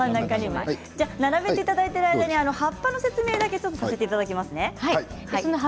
並べている間に葉っぱの説明だけさせていただきます。